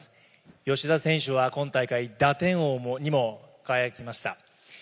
吉田選手は、今大会打点王にも輝きました。